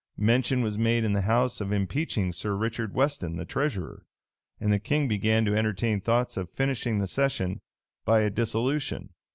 [v*] Mention was made in the house of impeaching Sir Richard Weston the treasurer;[v] and the king began to entertain thoughts of finishing the session by a dissolution.